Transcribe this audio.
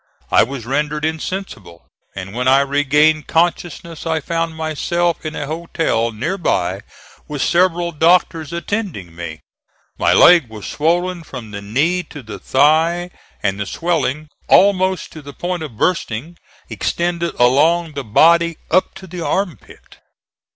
I was rendered insensible, and when I regained consciousness I found myself in a hotel near by with several doctors attending me. My leg was swollen from the knee to the thigh, and the swelling, almost to the point of bursting, extended along the body up to the arm pit.